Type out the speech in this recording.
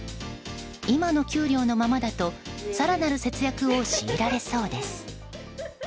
今の給料のままだと更なる節約を強いられそうです。